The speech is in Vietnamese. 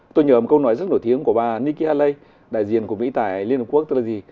tôi nhớ một câu nói rất nổi tiếng của bà nikki haley đại diện của mỹ tại liên hợp quốc tôi là gì